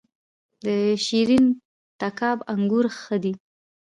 د شیرین تګاب انګور ښه دي